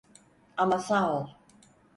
Ama sağ ol.